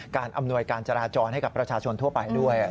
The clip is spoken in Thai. อำนวยการจราจรให้กับประชาชนทั่วไปด้วย